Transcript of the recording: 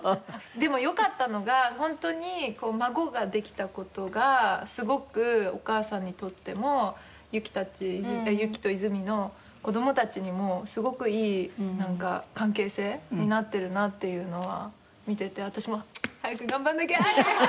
でも良かったのがホントに孫ができた事がすごくお母さんにとっても雪たち雪と泉の子供たちにもすごくいい関係性になってるなっていうのは見てて私も早く頑張らなきゃ。